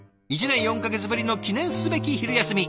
１年４か月ぶりの記念すべき昼休み。